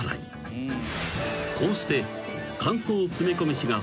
［こうして］